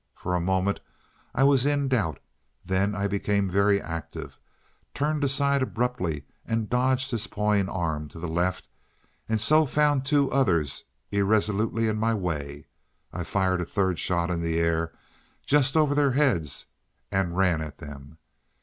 For a moment I was in doubt, then I became very active, turned aside abruptly and dodged his pawing arm to the left, and so found two others irresolutely in my way. I fired a third shot in the air, just over their heads, and ran at them.